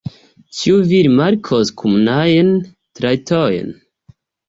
Ĉu vi rimarkos komunajn trajtojn?